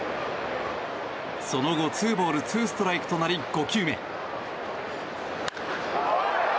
その後ツーボールツーストライクとなり５球目。